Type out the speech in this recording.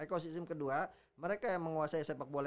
ekosistem kedua mereka yang menguasai sepak bola